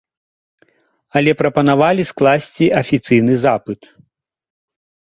Але прапанавалі скласці афіцыйны запыт.